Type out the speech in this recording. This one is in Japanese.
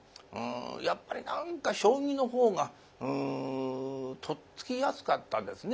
やっぱり何か将棋のほうがとっつきやすかったですね